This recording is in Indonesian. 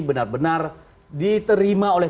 benar benar diterima oleh